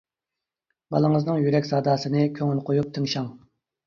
بالىڭىزنىڭ يۈرەك ساداسىنى كۆڭۈل قۇيۇپ تىڭشاڭ.